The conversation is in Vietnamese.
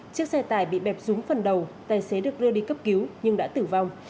chiếc xe tải bị bẹp rúng phần đầu tài xế được đưa đi cấp cứu nhưng đã tử vong